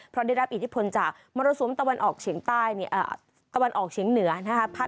เพราะได้รับอิทธิพลจากมรสุมตะวันออกเฉียงใต้ตะวันออกเฉียงเหนือนะคะ